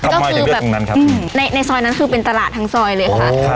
ก็คือแบบในซอยนั้นคือเป็นตลาดทั้งซอยเลยค่ะ